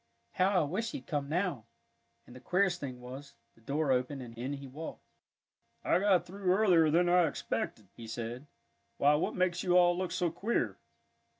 "How I wish he'd come now," and the queerest thing was, the door opened, and in he walked. "I got through earlier than I expected," he said. "Why, what makes you all look so queer?"